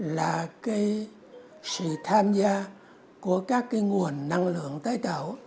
là cái sự tham gia của các cái nguồn năng lượng tái tạo